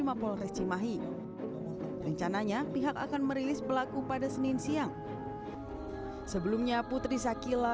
mapolres cimahi rencananya pihak akan merilis pelaku pada senin siang sebelumnya putri sakila